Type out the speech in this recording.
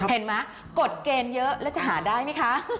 เห็นม้ะกดเกณฑ์เยอะแล้วจะหาได้มั้ยคะ